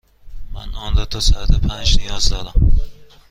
من آن را تا ساعت پنج نیاز دارم.